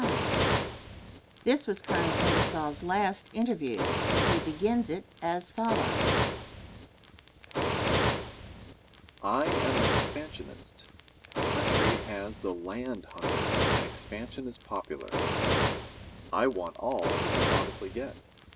*[* This was Colonel Ingersoll's last interview.] I am an expansionist. The country has the land hunger and expansion is popular. I want all we can honestly get.